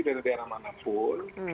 dari daerah manapun